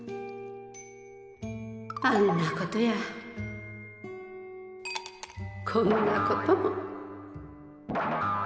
あんなことやこんなことも。